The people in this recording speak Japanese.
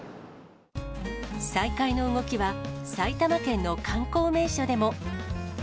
再開の動きは、埼玉県の観光名所でも。